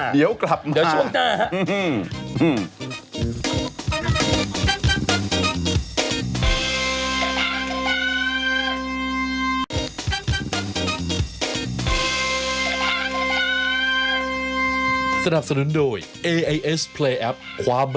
เดี๋ยวกลับมาเดี๋ยวช่วงหน้าฮะ